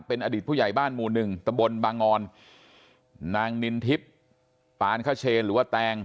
เป็นอดีตผู้ใหญ่บ้านหมู่หนึ่งตะบนบางงอนนางนินทิพย์ปานคเชนหรือว่าแตง